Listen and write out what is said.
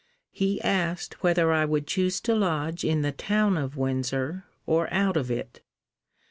He asked whether I would choose to lodge in the town of Windsor, or out of it?